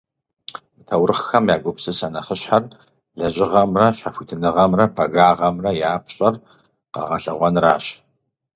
Мы таурыхъхэм я гупсысэ нэхъыщхьэр лэжьыгъэмрэ, щхьэхуитыныгъэмрэ, пагагъэмрэ я пщӏэр къэгъэлъэгъуэныращ.